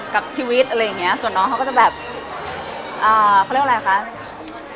กับชีวิตอะไรอย่างเงี้ยส่วนน้องเขาก็จะแบบอ่าเขาเรียกว่าอะไรคะ